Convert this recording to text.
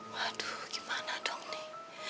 waduh gimana dong nih